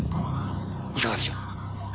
いかがでしょう。